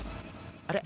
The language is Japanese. あれ？